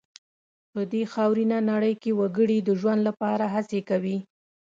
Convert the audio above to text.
په دې خاورینه نړۍ کې وګړي د ژوند لپاره هڅې کوي.